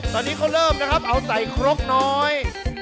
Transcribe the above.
ตอนนี้เขาเริ่มนะครับเอาใส่ครกน้อย